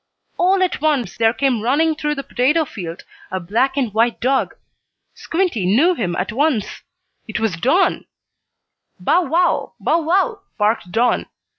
All at once there came running through the potato field a black and white dog. Squinty knew him at once. It was Don! "Bow wow! Bow wow!" barked Don.